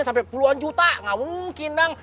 dari puluhan juta gak mungkin dang